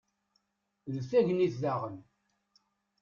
d tagnit daɣen